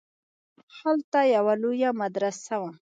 هلته يوه لويه مدرسه وه.